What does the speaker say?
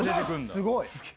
すごい。